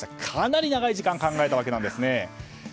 かなり長い時間考えたんですね。